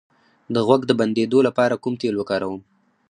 د غوږ د بندیدو لپاره کوم تېل وکاروم؟